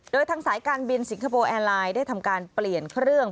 โดยทางสายการบินสิงคโปร์แอร์ไลน์ได้ทำการเปลี่ยนเครื่อง